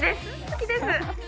好きです！